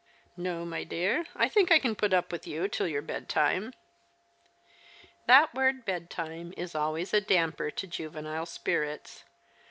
"Xo, my dear. I think I can put up with you till your bedtime." That word bedtime is always a damper to juvenile spirits.